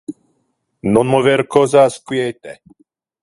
Non mover cosas quiete.